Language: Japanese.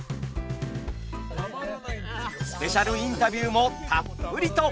スペシャルインタビューもたっぷりと。